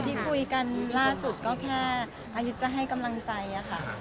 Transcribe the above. ที่คุยกันล่าสุดก็แค่อายุจะให้กำลังใจค่ะ